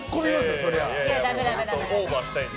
オーバーしたいんで。